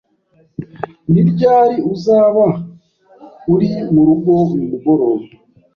Ni ryari uzaba uri murugo uyu mugoroba?